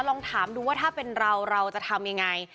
ลองถามดูว่าถ้าเป็นเราเราจะทำยังไง